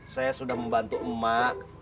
saya sudah membantu emak